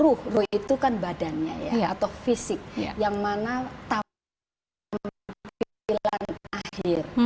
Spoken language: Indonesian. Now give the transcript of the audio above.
ruh ruh itu kan badannya ya atau fisik yang mana tampil terlihat pantat dengan pengisihan akhir